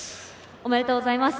おめでとうございます。